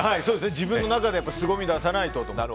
自分の中ですごみを出さないとと思って。